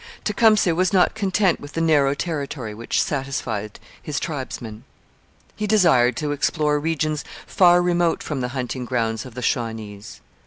Tecumseh was not content with the narrow territory which satisfied his tribesmen. He desired to explore regions far remote from the hunting grounds of the Shawnees.